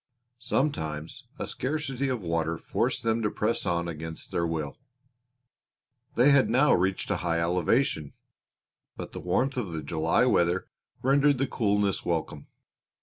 Sometimes a scarcity of water forced them to press on against their will. They had now reached a high elevation, but the warmth of the July weather rendered the coolness welcome.